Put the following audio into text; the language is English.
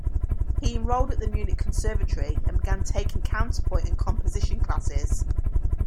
He enrolled at the Munich conservatory and began taking counterpoint and composition classes.